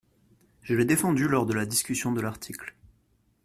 Je l’ai défendu lors de la discussion de l’article.